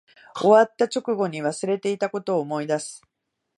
終わった直後に忘れていたことを思い出す